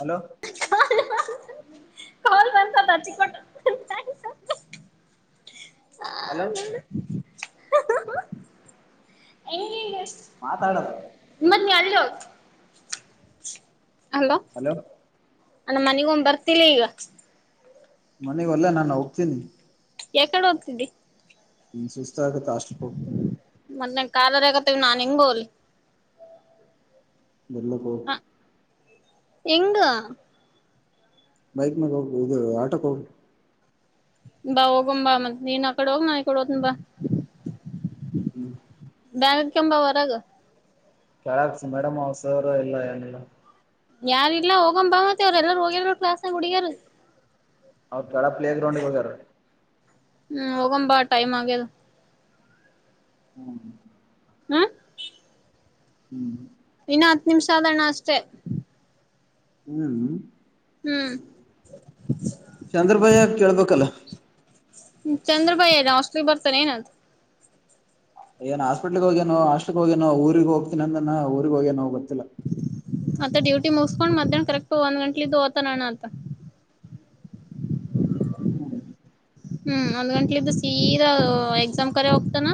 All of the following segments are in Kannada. ಹಲೋ ಕಲ್ ಬ ಹಚ್ಚಿಕಟ್ಟ ಹಲೋ ಹ ಹಗ ಮಾತಾಡದು ಮನ್ನೆ ಅಲ್ಲಿೋ [inaudible] ಹಲೋ ಮನೆಗ ಒ್ ಬರ್ತಿಲ್ಲ ಈಗ ಮನೆಗಲ್ಲ ನಾನು ಹೋಗ್ತೀನಿ ಯಾಕಡೆ ಹೋಗ್ತಿದ್ದಿ [unintelligible] ತಾಷ್ಟತ ಕಾಲ ರಗತವಿ ನಾನಂಗ ಬೋಲ್ ನಲ್ಲಕ್ಕ ಎಂಗ ಬೈಕ್ ಮಾಗ ಹೋಗ್ದು ಆಟೋಕ್ ಹೋಗ್ಲು ಬಾ ಹೋಗ ಬಾ ಮತ್ತ ನೀನ್ ಆ ಕಡೆ ಹೋಗ ನ ಈ ಕಡೆ ಹತನ ಬಾ ಹ್ಮ್ ಬಾರಕಂಬ ವರಗ ಕಕ್ಸ ಮೇಡಮ್ ಅವಸರ ಎಲ್ಲ ಏನಲ್ಲ ಯಾರಲ್ಲ ಹೋಗಂಬ ಮತ್ತ ಅವ್್ರ ಎಲ್ಲಾರ ಹೋಗಲ್ರು ಕ್ಲಾಸ್ಂಗ ಹುಡಗಾರ ಹೌ ಕೆಳ ಪ್ಲೇ ಗ್ರೌಂಡ್ಗೆ ಹಗಾರ ಹ್ಮ್ ಹೋಗಂಬಾ ಟೈಮ್ ಆಗದು ಹ್ಮ್ ಹ್ಮ ಹ್ಮ ಹ್ಮ್ ಹ್ಮ್ ಇ ಹತ್ತು ನಿಮಿಷಧರಣ ಅಷ್ಟೇ ಹ್ಮ್ ಹ್ಮ್ ಚಂದ್ರಭಯ ಕೆಳಪಕ್ಕಲ್ಲ ಚಂದ್ರಬಾಯ ಅಷ್ಟಲಿ ಬರ್ತಾನೆ ಏನದು ಏನ್ ಹಾಸ್ಪಿಟಲ್ ಹೋಗೇೋ ಹಾಸ್ಟೆಲ್ ಹೋಗೇನ ಊರಿಗೆ ಹೋಗ್ತನಿ ಅಂದ ಊರಿಗೆ ಹ ೇೋ ಹೋಗುತ್ತೆ ಚಲ್ಲಾ ಅತ್ತ ಡ್ಯೂಟಿ ಮುಗಸ್ಕೊಂಡ್ ಮಧ್ಯಾಹ್ನ ಕರೆಕ್ಟ್ ಒಂದ್ ಗಂಟ್ಲಿಕ ಹೊತಾನ ಅಣ್ಣಾ ಆತ. ಹ್ಮ್ ಹ್ಮ್ ಒಂದ್ ಗಂಟ್ಲಿದ್ದ ಸೀದಾ ಎಕ್ಸಾಮ್ ಕರೆ ಹೋಗ್ತಾನ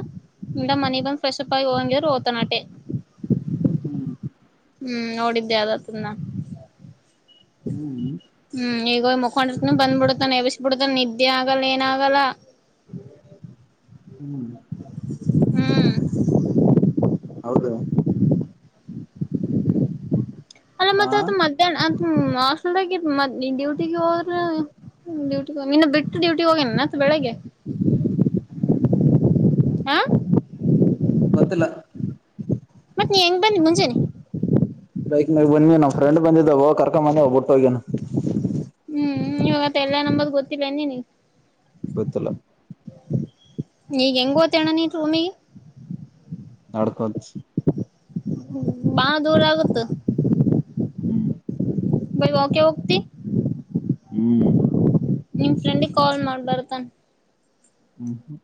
ಇಂದ ಮನಿ ಬಂದ್ ಫ್ರೆಶ್ಪ್ ಆಗಿ ಹೋಗಂಗಿದ್ರ ಹೋಗ್ತಾನ ಅಟೆ ಹ್ಮ್ ಹ್ಮ್ ನೋಡಿದ್ದೆ ಆದತನ್ನ. ಹ್ಮ್ ಹ್ಮ್ ಹೋಗ್ ಮಕೊಂಡಿರುತಿನು ಬಂದ್ಬಿಡತನ್ ಎಬ್ಬಿಸ್ ಬಿಡತನ್ ನಿದ್ದೆ ಆಗಲ್ಲ ಏನ ಆಗಲ್ಲ. ಹ್ಮ್ ಹ್ಮ್ ಹೌದು ಅಲ್ಲ ಹಾ ಮತ್ತ ಅವತ್ ಮಧ್ಯಾಹ್ನ ಅಮ್ ಹಾಸ್ಟೆಲದಾಗ ಇದ್ದ ಮದ್ ಡ್ಯೂಟಿಗೆ ಹೋರ ಡ್ಯೂಟಿ ನಿನ್ನ ಬಿಟ್ಟ ಡ್ಯೂಟಿ ಹೋಗ್ಯಾನೆನ್ ಮತ್ ಬೆಳಗ್ಗೆ. ಹ್ಮ್ ಆ ಗೊತ್ತಿಲ್ ಮತ್ ನೀ ಹೆಂಗ್ ಬಂದಿ ಮುಂಜಾನ. ಬೈಕ್ ಮ್ಯಾಲ ಬಂದಿವ ನಾವ್ ಫ್ರೆಂಡ್ ಬಂದಿದ್ದ ಹೋಗ್ ಕರ್ಕ ಬಂದೆ ಬುಟ್ ಹೋಗ್ಯಾನ್ ಹ್ಮ್ ಇವಾಗತ್ತ ಎಲ್ಲೆಹನ ಅಂಬದ ಗೊತ್ತಿಲ್ಲ ಎನ್ ನಿನಿಗ್. ಗೊತ್ತಿಲ್ಲ. ಈಗ ಹೆಂಗ ಓತೇಣ್ಣ ನೀ ರೂಮಿಗಿ. ನಡಕೋತ. ಬಾಳ್ ದೂರ ಆಗುತ್ತ. ಹ್ಮ್ ಬೈ ವಾಕೆ ಹೋಗ್ತಿ. ಹ್ಮ್ ನಿಮ್ ಫ್ರೆಂಡಿಗ ಕಾಲ್ ಮಾಡ್ ಬರತಾನ್. ಹ್ಮ್ ಹ್ಮ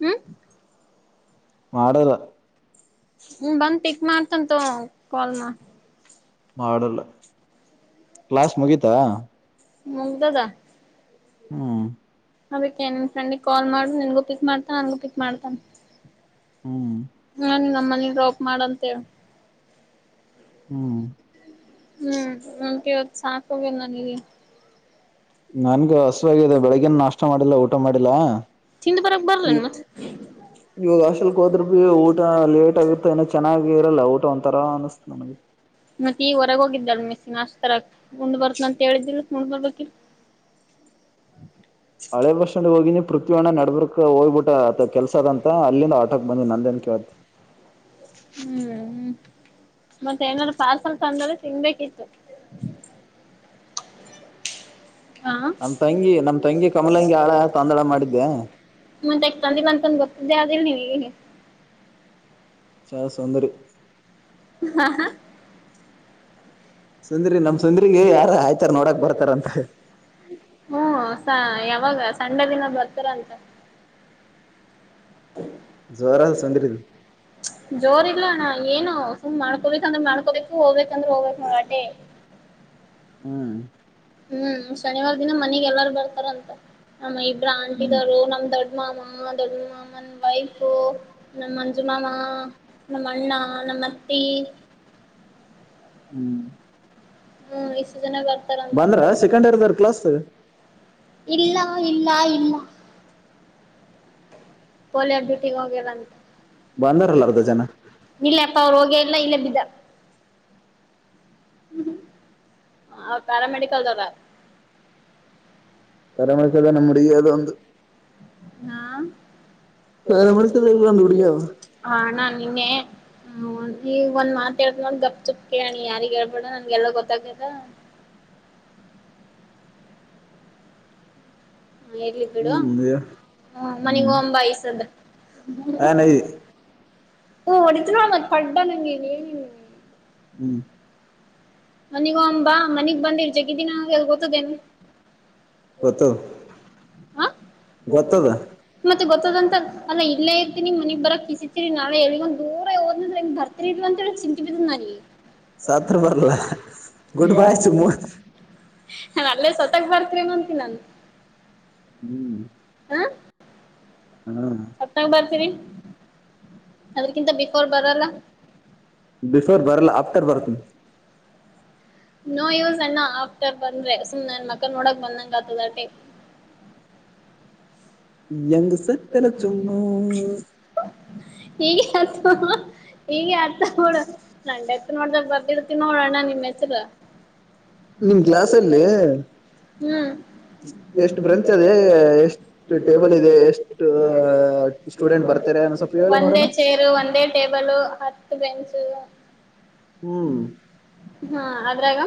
ಹ್ಮ ಮಾಡಲ್. ಹ್ಮ ಬಂದ್ ಪಿಕ್ ಮಾಡ್ತಂತೊ ಅಂವ ಕಾಲ್ ಮಾ ಮಾಡಲ್. ಕ್ಲಾಸ್ ಮುಗೀತಾ. ಮುಗ್ದದ. ಹ್ಮ್ ಅದೀಕ್ಕೆ ನಿನ್ ಫ್ರೆಂಡಿಗ ಕಾಲ್ ಮಾಡು ನಿನ್ಗೂ ಪಿಕ್ ಮಾಡ್ತಾನ ನನ್ಗೂ ಪಿಕ್ ಮಾಡ್ತಾನ. ಹ್ಮ್ ನಂಗ್ ನಮ್ಮನಿಗ ಡ್ರಾಪ್ ಮಾಡಂತ ಹೇಳ. ಹ್ಮ್ ಹ್ಮ್ ನಂಗ್ ಇವತ್ತ್ ಸಾಕ್ ಆಗ್ಯದ ನನಿಗಿ. ನಂಗೂ ಹಸವಾಗಿದೆ ಬೆಳಗ್ನ್ ನಾಷ್ಟ ಮಾಡಿಲ್ಲ ಊಟ ಮಾಡಿಲ್ಲ. ತಿಂದು ಬರಕ್ ಈ ಬರ್ಲೇನ್ ಮತ್ ಇವಾಗ ಹಾಸ್ಟೆಲ್ ಹೋದ್ರ ಬಿ ಊಟ ಲೇಟ್ ಆಗತ್ತ ಏನ ಚೆನ್ನಾಗಿ ಇರಲ್ಲ ಊಟ ಉ ತರ ಅನ್ಸ್ತಾತ್ ನನಗೆ ಮತ್ತೆ ಈಗ ಹೊರಗೆ ಹೋಗಿದ್ದಾಳ ಮಿಸ್ಸ ನಷ್ಟ ತರಕೆ ಉಂಡ್ ಬರ್ತ ಅಂತ ಹೇಳಿದಿಲ್ಲ ಉಂಡ್ ಬರ್ಬೇಕಿತ್. ಹಳೆ ಬಸ್ ಸ್ಟಾಂಡ್ ಹೋಗಿ ನೀವು. ಪೃಥ್ವಯಣ್ಣ ನಡ್ಬ್ರುಕ್ ಹೋಗ್ಬಿಟ್ಟ ಕೆಲ್ಸದಂತ ಅಲ್ಲಿಂದ ಆಟೋಕ್ ಬಂದ್ ನಂದೇನ್ ಕೇಳ್ತಿ ಹ್ಮ್ ಮತ್ತೆ ಏನಾದ್ರು ಪಾರ್ಸಲ್ ತಂದ ತಿನ್ಬೇಕಿತ್ತು. ಹಾ ನಮ್ ತಂಗಿ ನಮ್ ತಂಗಿ ಕಮಲಂಗಿ ಆಳ ತಂದಳ ಮಾಡಿದ್ದೆ ಮುಂದೆ ಎಕ್ ತಂದಿಲ್ಲ ಅಂತಂದು ಗೊತ್ತಿದ್ದೆ ಅದಿಲ್ಲ [unintelligible] ಚಲ್ ಸುಂದರಿ ಹಾ ಹಾ ಸುಂದ್ರಿ ನಮ್ ಸುಂದ್ರಿಗೆ ಯಾರ ಆಯ್ತಾರ ನೋಡಕ್ ಬರ್ತಾರ ಅಂತ. ಅವಾಗ ಸಂಡೆ ದಿನ ಬರ್ತಾರ ಅಂತೆ ಜೋರ ಸುಂದ್ರಿದು ಜೋರ್ ಇಲ್ಲನ್ನ ಏನು ಸುಮ್ ಮಾಡ್ಕೋಬೇಕ ಅಂದ್ರೆ ಮಾಡ್ಕೋಬೇಕು ಹೋಗ್ಬೇಕು [unintelligible] ಹೋಗ್ಬೇಕು ಮರಟೆ. ಹ್ಮ್ ಹ್ಮ್ ಶನಿವಾರ ದಿನ ಮನಗೆ ಎಲ್ಲಾರ ಬರ್ತಾರಂತ ನಮ್ಮ ಇಬ್ರ ಹ್ಮ್ ಆಂಟಿದವರು ನಮ್ಮ್ ದೊಡ್ಡ ಮಾಮ ದೊಡ್ಡಮ್ಮ ನನ್ ವೈಫು ನಮ್ಮ ಮಂಜು ಮಮಾ ನಮ್ಮ ಅಣ್ಣ ನಮ್ಮ ಅತ್ತಿ. ಹ್ಮ್ ಮೂವೀಸ್ ಜನ ಬರ್ತಾರಂತ ಬಂದ್ರ ಸೆಕೆಂಡ್ ಇಯರ್ದರ್ ಕ್ಲಾಸ್ ಇಲ್ಲ ಇಲ್ಲ ಇಲ್ಲ. ಪೋಲಿಯರ್ ಡ್ಯೂಟಿಗೆ ಹೋಗಿದಾನ್ ಬಂದಾರಲ್ಲ ಅರ್ಧ ಜನ ಇಲ್ಲ ಅಪ್ಪ ಅವರು ಹೋಗೇಲ್ಲ ಇಲ್ಲೇ ಬಿದ್ದ ಅವ್ರ್ ಪ್ಯಾರಾಮೆಡಿಕಲ್ದದಾ. ಪರಮ [unintelligible] ನಮ್ ಉಡುಗಿ ಅದೊಂದು ಹಾ ಪ್ಯಾರಾಮೆಡಿಕಲ್ ಒಂದು ಹುಡುಗಿ ಅದ ಹಾ ನಾನ್ ನಿನ್ನೆ ಹ್ಮ ನೋಡ್ರಿ ಈಗ್ ಒಂದ್ ಮಾತ್ ಹೇಳ್ತಿನಿ ನಾನು ಗಪ್ ತುಪ್ ಕೇಳಣಿ ಯಾರಿಗ್ ಹೇಳ್ಬೇಡ ನನ್ಗೆಲ್ಲ ಗೊತ್ತಾಗ್ಯಲ್ಲ ಎರ್ಲಿ ಬಿಡು ಹ್ಮ್ ಹ್ಮ್ ಮನೆಗ್ ಹೋಗೋನ್ ಬಾ ಇ ಸತ್ ಏನ ಓ ಒಡಿತೊ ನೋಡ್ ಮತ್. [unintelligible] ಹ್ಮ್ ಮನಿಗ್ ಹೋಗನ್ ಬಾ, ಮನಿಗ್ ಬಂದಿ ಇಲ್ಲಿ ಜಗ್ಗಿ ದಿನ ಗೊತ್ತದ [unintelligible] ಗೊತ್ತದ ಗೊತ್ತದಂತನ್ ಅಲ್ಲ ಇಲ್ಲೇ ಇರ್ತೀನಿ ಮನಿಗ್ ಬರಕ್ ಕಿಸಿತೀರನಿ ನಾವೇ ಹೇಳಿ ಒಂದ ದೂರ [unintelligible] [unintelligible] ಅಂತ ಹೇಳಿ ಚಿಂತಪಿತಿದನಲ್ಲಿ. ಸತ್ರ ಬರ್ಲ ಗುಡ್ ಬಾಯ್ ಸುಮುತ್. ನಾನಲ್ಲೇ ಸತ್. [inaudible] ಹ್ಮ್. ಹಾ ಹತ್ತನಾಗ ಬರ್ತೀರಿ. ಅದ್ರಕ್ಕಿಂತ ಬಿಫೋರ್ ಬರಲ್ಲಾ. ಬಿಫೋರ್ ಬರಲ್ಲ ಆಫ್ಟರ್ ಬರ್ತೀನಿ ನೋ ಯೂಸ್ ಅಣ್ಣ ಆಫ್ಟರ್ ಬಂದ್ರೆ ಸುಮ್ನೆ ನನ್ ಮಕ ನೋಡಕ್ ಬಂದಂಗ ಆತದಟೆ. ಹೆಂಗ್ ಸತ್ತಲ್ಲ ಚುಮ್ಮು ಈಗೆ ಆ ಈಗ ಆತ ನೋಡ ನಂಡೆತ್ ನೋಡ್ದಾಗ ಬರ್ದಿಡ್ತೀನಿ ನೋಡಣ್ಣ ನಿಮ್ಮ ಹೆಸರ. ನಿಮ್ ಕ್ಲಾಸ್ ಅಲ್ಲಿ ಹ್ಮ್. ಎಷ್ಟು ಬ್ರಚ್ದೆ ಎಷ್ಟು. ಟೇಬಲಿದೆ ಎಷ್ಟ ಸ್ಟೂಡೆಂಟ್ ಬರ್ತಾರೆ ಅ ಸ್ವಲ್ಪ ಹೇಳು ನೋಡೋಣ. ಹತ್ತ ಬೆಂಚು. ಹ್ಮ್. ಹಾ ಅದ್ರಾಗ.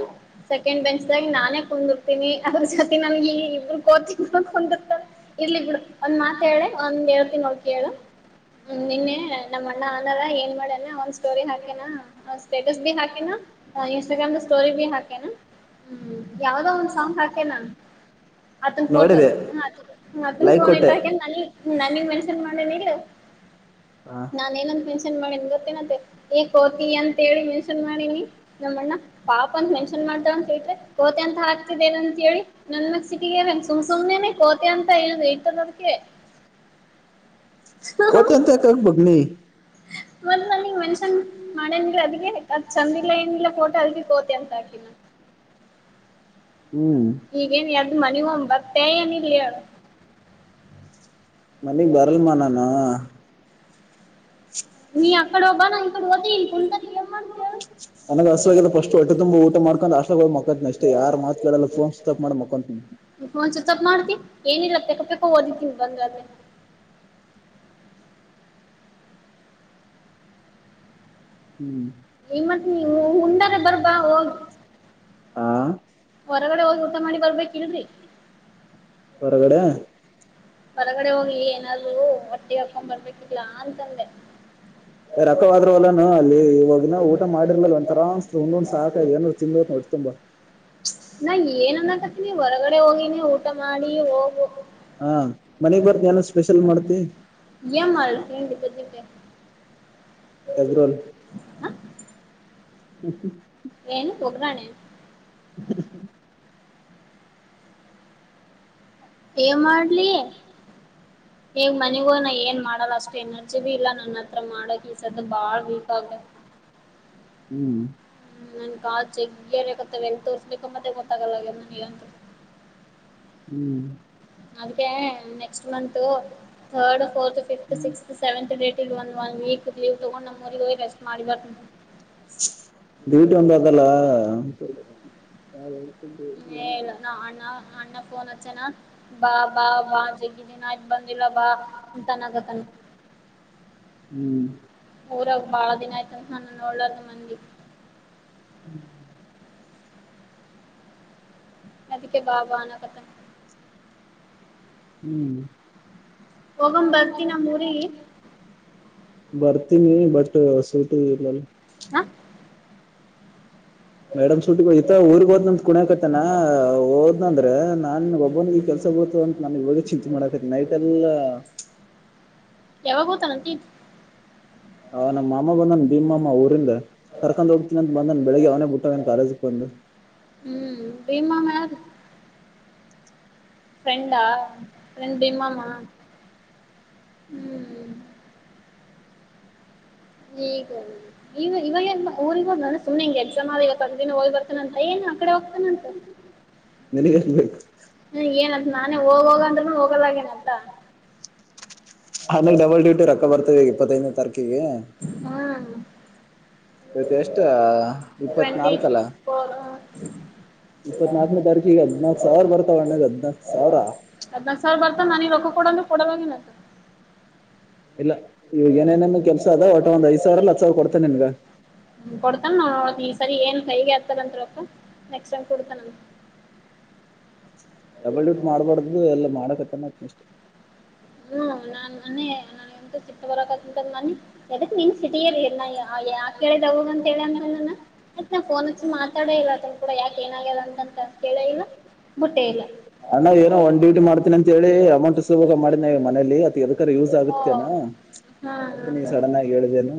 ಸೆಕೆಂಡ್ ಬೆಂಚದಾಗ್ ನಾನೇ ಕುಂದರ್ತೀನಿ ಅದ್ರ ಜೊತಿ ನನ್ಗೆ ಇಬರು ಕೋತಿ ಗಳ ಕುಂದ್ರತವೇ. ಇರ್ಲಿ ಬಿಡು ಒಂದ್ ಮಾತ್. ಹೇಳೆ ಒಂದ್ ಹೇಳ್ತಿನೋಡ ಕೇಳು ನಿನ್ನೆ ನಮ್ಮ ಅಣ್ಣ ಅನಾರ ಏನ್ ಮಾಡ್ಯನಾ ಒಂದ್ ಸ್ಟೋರಿ ಹಾಕ್ಯಾನ್ ಸ್ಟೇಟಸ್ ಬಿ ಹಾಕ್ಯಾನ್ ಇನ್ಸ್ಟಾಗ್ರಾಮ್ ದ ಸ್ಟೋರಿ ಬಿ ಹಾಕ್ಯಾನ್ ಹ್ಮ ಯಾವ್ದೋ ಒಂದ್ ಸಾಂಗ್ ಹಾಕ್ಯಾನ್. ಅತ್ತನ್ ಫೋಟ ನೋಡಿದೆ ಹ. ಅತ್ತು ಲೈಕ್ ತೋಿೆ ಕೊಟ್ಟೆ ನಾನ [inaudible] ನನಿಗ ಮೆಂಷನ್ ಮಾಡ್ಯಾನಿಲ್ಲ. ಹ ನಾ ಏನ. ನ್ಮನ್ ಗತ್ತೆನೆಂತೆ. ಏ ಕೋತಿ ಅಂತೇಳಿ ಮೆನ್ಷನ್ ಮಾಡಿನಿ ನಮ್ಮ ಅಣ್ಣ ಪಾಪ ಅಂತ ಮೆನ್ಷನ್ ಮಾಡ್ತಾವಂತ್ರೆ ಕೋತಿ ಅಂತ ಹಾಕ್ತಿದಿ ನೆ ಅಂತ ಹೇಳಿ ನನ್ ಸಿಟಿಗ ಸುಮ್ ಸುಮ್ನೆ ಕೋತಿ. ಮ ಅಂತ ಏನ ತಲ್ಲ ಅದಕ್ಕೆ. ಕೋತಿ ಅಂತ ಹಾಕೊಂಬಿಡ್ನಿ. ಮ. ಅ ಮನ್ಷ್ಯನ್ ಮಾಡಂಗಿಲ್ಲ ಅದಕೆ ಚಂದಿಲ್ಲ ಏನಿಲ್ಲ ಫೋಟೋ ಅದಕೆ ಕೋತಿ ಅಂತ ಹಾಕಿನ. ಹ್ಮ್. ಮಣಿ ಒಂಬತ್. ಅನ ಇಲ್ಲಿ [inaudible] ಮನಿಗ್ ಬರಲ ಮಾ ನಾನು ನೀ ಅಕಡೆ ಹೋಗಬಾನ ಈ ಕಡೆ ಹೂತ್ತಿನಿ ಕುಂತಾನ ಏನ್ ಮಾಡ್ತೆಳ ನನಗ್ ಹಸವಾಗಿದೆ ಫಸ್ಟ್ ಹೊಟ್ಟೆ ತುಂಬ ಊಟ ಮಾಡ್ಕೊಂಡ್ ಹಾಸ್ಟೆಲ್ ಹೋಗಿ ಮಕ್ಕೊಂತೀನಿ ಅಷ್ಟೇ ಯಾರ್ ಮಾತ್ ಕೇಳಲ್ಲ ಫೋನ್ ಸ್ವಿಚ್ ಆಫ್ ಮಾಡಿ ಮಕ್ಕೊಂತೀನಿ ನೀ ಪೂನ ಸಿವಚಾಪ ಮಾಡುತ್ತಿ ಏನಿಲ್ಲ ಪೆಕ್ಕ ಪೆಕ್ಕ ಹೋದಿತನ್ ಬಂದ್ರ ಅ ಹ್ಮ್ ನಿಮ್ಮತ್ ನೀ ಹುಂಡಾರ ಬರ್ಬ ಹೋಗ ಹಾ ಹೊರಗಡೆ ಹೋಗಿ ಊಟ ಮಾಡಿ ಬರ್ಬೇಕಿಲ್ ರೀ ಹೊರಗಡೆ ಹೂರ ಹೊರಗಡೆ ಹೋಗಿ ಏನಾದ್ರು ಒಟ್ಟಿಗೆ ಹಾಕೊಂಡ್ ಬರ್ಬೇಕು ಲ ಆನ್ ತಂದೆ ರೊಕ್ಕವಾದ್ರುವಲ್ಲಾನ ಅಲ್ಲಿ ಇವಾಗಿನ ಊಟ ಮಾಡಿರ್ಲ ಒಂದಥರಾ ಅನಸ್ಥ ಉಂಡೂಂಡ ಸಾಕಿಗದ ಏನರು ತಿಂದೂತ್ತೀನಿ ಹೂಟ್ಟಿ ತುಂಬ ನಾ ಏನ್ ಅನ್ನಕತ್ತೀನಿ ಹೊರಗಡೆ ಹೋಗಿನಿ ಊಟ ಮಾಡಿ ಹೋಗು ಹಾ ಮನೆಗ್ ಬರತ್ತಿನ ಏನರ ಸ್ಪೆಷಲ್ ಮಾಡ್ತಿ ಬದನಿಕಾಯ ಎಗ್ಗ ರೋಲ ಹ್ಮ ಏನು ಒಗ್ಗರಣ [unintelligible] ಏ ಮಾಡ್ಲಿ ಹಗ್ ಮನಿಗೋ ನ ಏನ್ ಮಾಡಲ್ಲ ಅಷ್ಟು ಎನರ್ಜಿ ಭ ಇಲ್ಲ ನನ್ನ ಹತ್ರ ಮಾಡಕ್ ಈಸದ್ದ ಬಾಳ್ ವೀಕ್ ಆಗ ಹ್ಮ್ ನನ್ ಕಾಲ ಜಗ್ಗೆ ಅರಕತ್ತವ ಎಲ್ ತೋರ್ಸ್ಬೇಕ ಮತ್ತೆ ಗೊತ್ತಾಗಲ್ಲ ನನಗಂತರ ಹ್ಮ್ ಅದಕ್ಕೆ next month third fourth fifth sixth seventh ಡೆಟಗ ಒನ್ನ ವೀಕ್ ಲೀವ್ ತಗೊಂಡ್ ನಮ್ಮ್ಗ ಹೋಗಿ ರೆಸ್ಟ್ ಮಾಡಿಬಾರ ಹ್ಮ್ ಡ್ಯೂಟಿ ಒಂದು ಅದಲ್ಲ ಹ್ಮ ಹ್ಮ್ ಹ್ಮ್ [unintelligible] ಅಣ್ಣ ಪೋನ್ ಹಚ್ಚಾನ ಬಾ ಬಾ ಬಾ ಜಗ್ಗಿದ್ದನ್ ಆಯ್ತ್ ಬಂದಿಲ್ಲ ಬಾಂತನಾಗತಾನ ಹ್ಮ್ ಊರಾಗ ಬಾಳ ದಿನ ಆಯ್ತ ನಾನನ ನೋಡಲಾರರ್ದ ಮಂದಿ ಹ್ಮ್ ಅದಕ್ಕೆ ಬಾಬಾನ ಕತನ ಹ್ಮ್ ಹೋಗಂ ಬರ್ತಿ ನಮ್ಮೂರಿಗೆ ಬರ್ತೀನಿ ಬಟ್ ಸುಟಿಯಿಲ್ಲಲ್ಲ ಹಾ ಮೇಡಮ್ ಸುಲ್ ಈತ ಊರ್ಗ್ ಹೋದ್ನ ಅಂತ ಕುಣಿಯಕತನಾ ಹೋದ್ನಂದ್ರ ನಾನ್ ಒಬ್ಬನಿಗೆ ಈ ಕೆಲ್ಸ ಗೊತ್ತು ಅಂತ ನಾನ ಇವಾಗ ಚಿಂತೆ ಮಾಡಕ ನೈಟ್ ಎಲ್ಲ ಯಾವಾಗಭೂತಾನಟೀ ಹ ನಮ್ಮ ಮಾಮ ಬಂದನ್ ಭೀಮ ಮಾಮ್ಮ ಊರಿಂದ ಕರ್ಕೊಂಡ್ ಹೋಗ್ತನಂತ ಬಂದನ್ ಬೆಳಿಗ್ಗೆ ಅವನೇ ಬಿುಟ್ಟಾಗನ್ ಕಾಲೇಜ ಬಂದ ಬೀಮ ಮ ಫ್ರೆಂಡಾ ಫ್ರೆಂಡ್ ಎಮಾಮಾ ಹ್ಮ್ ಕ ಇವ ಇವಾಗ ಊರಿ ಹೋನಾನು ಸುಮನೆ ಹಿಂಗ ಎಕ್ಸಾಮ್ ಆದ ಇವ ತಂದ ದಿನ ಹೋಗಿ ಬರ್ತಾನಂತ ಏನ್ ಆಕಡೆ ಹೋಗ್ತಾನಂತ ನಿನಗೇನ್ ಬೇಕು ಏನಂತ ನಾನೇ ಹೋಗೋಗ ಅಂದ್ರೂನು ಹೋಗಲಗೇನಂತ ಆಮೇಲೆ ಡಬಲ್ ಡ್ಯೂಟಿ ರೊಕ್ಕ ಬರ್ತವೆಗ ಇಪ್ಪತ್ತೈನ ತಾರೀಕಿಗೆ ಹ್ಮ್ ಆಯ್ತ ಎಷ್ಟ ಟ್ವೆಂಟಿ ಇಪ್ಪತ್ನಾಲ್ಕ ಅಲ ಫೋರ್ ಇಪ್ಪತ್ನಾಲ್ಕನೇ ತಾರೀಕ ಈಗ ಹದ್ನಾಕ್ ಸಾವಿರ ಬರ್ತಾವ ಅಣ್ಣಾಗ ಹದ್ನಾಕ್ ಸಾವಿರ ಹದ್ನಾಕ್ ಸಾವಿರ ಬರ್ತಾನ ನನಗ್ ರೊಕ್ಕ ಕೊಡಂದ್ರ ಕೊಡಲ್ಲಾಗೇನಂತ ಇಲ್ಲ ಇವ್ ಏನೇನೇನ್ ಕೆಲ್ಸ ಅದ ಒಟ್ಟ ಒಂದ್ ಐದ ಸಾವಿರ ಅಲ್ಲ ಹತ್ ಸಾವಿರ ಕೊಡ್ತೇನೆ ನಿಮ್ಗ ಹ್ಮ ಕೊಡ್ತಾನ ನ ನೋಡ ಈ ಸರಿ ಏನ್ ಕೈಗೆ ಆತಾರತ್ಪನೆಕ್ಸ್ ಟೈಮ್ ಕೊಡ್ತಾನ ಡಬಲ್ ಡ್ಯೂಟ್ ಮಾಡ್ಬಾರ್ದು ಎಲ್ಲ ಮಾಡಕತ್ತತ್ತ ಇಷ್ಟೇ ಹ್ಮ್ ನಾನ್ ಮ ನ ಎಂತ ಸಿ ಬರಕಂತ ಮನ್ನಿ ಯಕ್ಕೆ ನಿನ್ ಸಿಟಿ ಕೇಳಿದ ಅಂತ ಹೇಳ ಅಂತಂದ ನ ಆತ್ ನಾ ಫೋನ್ ಹಚ್ಚಿ ಮಾತಾಡ ಇಲ್ಲತನ್ ಕೂಡ ಯಾಕ ಏನಾಗ್ಯದ ಅಂತ ಕೇಳ ಇಲ್ಲ ಬುಟ್ಟೆ ಇಲ್ಲ ಅಣ್ಣ ಏನೋ ಒನ್ ಡ್ಯೂಟಿ ಮಾಡ್ತೀನಿ ಅಂತ ಹೇಳಿ ಅಮಂಟ್ ಸ ಮಾಡಿದ ಮನಲಿ ಅತ್ ಎದಕರ ಯೂಸ್ ಓ ಆಗುತ್ತೇನಾ ಹಾ ಅತ್ ನೀ ಸಡನ್ ಆಗಿ ಹೇಳಿದೆೇನು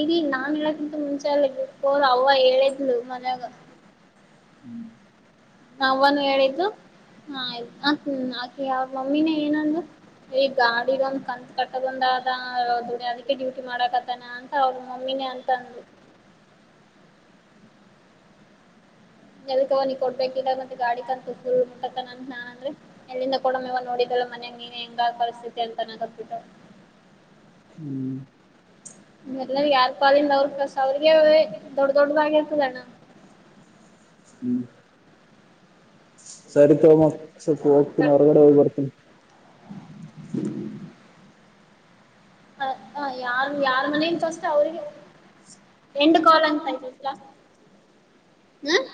ಇ ನಾನ್ ಹೇಳಕ್ಕಿಂತ ಮುಂಚೆೋರ್ ಅವವ ಹೇಳಿದ್ಲು ಮನ್ಯಾಗ ಹ್ಮ್ ಅವನು ಹೇಳಿದ್ದು ಹಾ ಆಯ್ತು ಆ ಹ್ಮ ಆಕಿ ಅವ ಮಮ್ಮಿನೇ ಏನಂದ ಈ ಗಾಡಿಗಂದ ಕಂತ ಕಟ್ಟದಂದ ಆದ ದುಡ ಅದಕ್ಕೆ ಡ್ಯೂಟಿ ಮಾಡಾಕತ್ತಾನ ಅಂತ ಅವ್ರ ಮಮ್ಮಿನೇ ಅಂತಂದ ಎದಕ್ಕ ಅವನಿಗೆ ಕೊಡ್ಬೇಕಿಲ್ಲ ಮತ್ತ ಗಾಡಿ ಕ ಅಂತ ಮುಟ್ಟತ್ತನ ನಾನ್ ಅಂದ್ರೆ ಎಲ್ಲಿಂದ ಕೂಡ ಮವ ನೋಡಿದಲ್ಲ ಮನ್ಯಂಗ ನೀನ ಹೆಂಗ ಪರಿಸ್ಥಿತಿ ಅಂತನ ಕಪ್ಪಬಿಟ್ಟ ಹ್ಮ್ ಲ್ಲನ್ ಯಾರ್ ಕಾಲಿಂದ ಅವ್ರ ಕಸ ಅವ್ರಿಗೆ ದೊಡ್ಡ ದೊಡ್ಡದಾಗಿ ಇರ್ತದಣ್ಣ ಹ್ಮ್ ಸರಿ ತೋಮಕ್ ಸ್ವಲ್ಪ ಹೋಗ್ತೀನಿ ಹೊರಗಡೆ ಹೋಗ್ ಬರ್ತೀನಿ ಹ ಹ ಹ ಯಾರ ಯಾರ ಮನಂತ ಅಷ್ಟ ಅವ್ರಿಗೆ ಹೆಂಡು ಕ ಅವರ್ ಅಂತತಿ ಹ